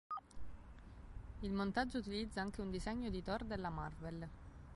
Il montaggio utilizza anche un disegno di Thor della Marvel.